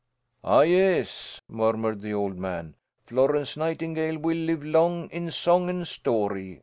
"Ah, yes," murmured the old man. "Florence Nightingale will live long in song and story.